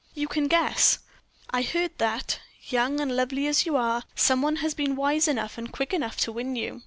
"You can guess. I heard that young, lovely as you are some one has been wise enough and quick enough to win you."